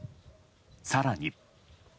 更に。